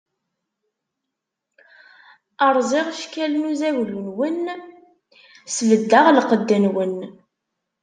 Rẓiɣ cckal n uzaglu-nwen, sbeddeɣ lqedd-nwen.